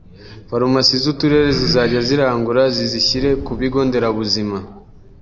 farumasi z’uturere zizajya zizirangura zizishyire ku bigo nderabuzima,